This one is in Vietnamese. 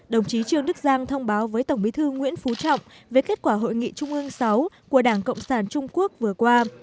đồng chí trương đức giang thông báo với tổng bí thư nguyễn phú trọng về kết quả hội nghị trung ương sáu của đảng cộng sản trung quốc vừa qua